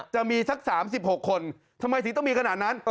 จะมีสัก๓๖คนทำไมถึงต้องมีขนาดนั้น